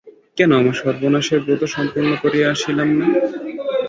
কেন আমার সর্বনাশের ব্রত সম্পূর্ণ করিয়া আসিলাম না।